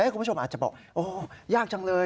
คุณผู้ชมอาจจะบอกโอ้ยากจังเลย